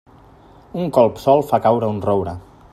Un colp sol fa caure un roure.